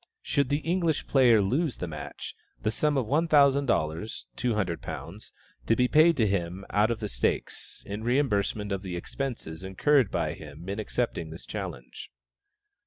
Should the English player lose the match, the sum of one thousand dollars (£200) to be paid to him out of the stakes, in reimbursement of the expenses incurred by him in accepting this challenge.